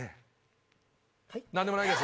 なんでもないです。